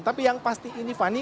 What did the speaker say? tapi yang pasti ini fani